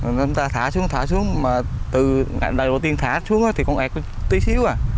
người ta thả xuống thả xuống mà từ ngày đầu tiên thả xuống thì còn ẹt tí xíu à